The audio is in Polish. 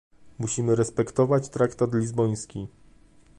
musimy respektować traktat lizboński